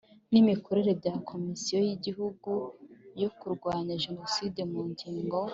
N imikorere bya komisiyo y igihugu yo kurwanya jenoside mu ngingo